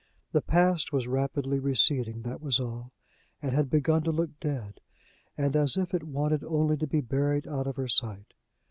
The past was rapidly receding, that was all, and had begun to look dead, and as if it wanted only to be buried out of her sight.